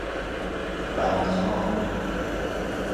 بم خوان